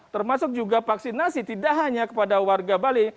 termasuk juga vaksinasi tidak hanya kepada warga bali